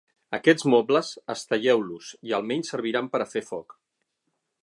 Aquests mobles, estelleu-los, i almenys serviran per a fer foc.